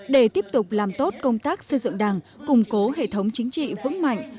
để tiếp tục làm tốt công tác xây dựng đảng củng cố hệ thống chính trị vững mạnh